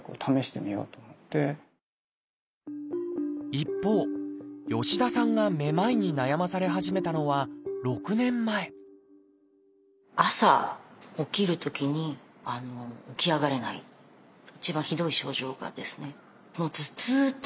一方吉田さんがめまいに悩まされ始めたのは６年前一番ひどい症状がですね